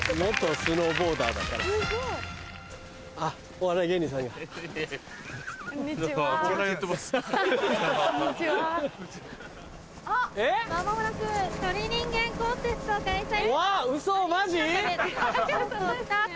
・スタート！